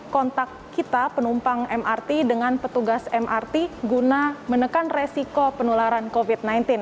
kontak kita penumpang mrt dengan petugas mrt guna menekan resiko penularan covid sembilan belas